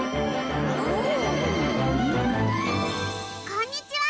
こんにちは！